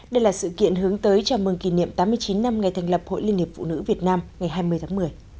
đây là sự kiện hướng tới chào mừng kỷ niệm tám mươi chín năm ngày thành lập hội liên hiệp phụ nữ việt nam ngày hai mươi tháng một mươi